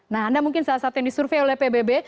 nah anda mungkin salah satu yang disurvey oleh pbb